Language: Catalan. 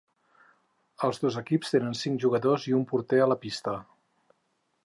Els dos equips tenen cinc jugadors i un porter a la pista.